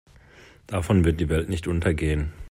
Davon wird die Welt nicht untergehen.